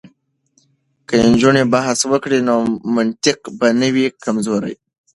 که نجونې بحث وکړي نو منطق به نه وي کمزوری.